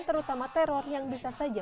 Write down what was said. terutama teror yang bisa saja